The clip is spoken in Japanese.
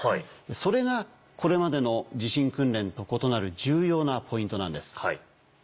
それがこれまでの地震訓練と異なる重要なポイントなんです。